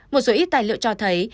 một số ít tài liệu cho thấy